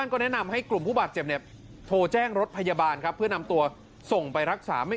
ตอนที่นักเรียนชายอายุ๑๖ปีมีความอยากเกี่ยวกับมาเจาะ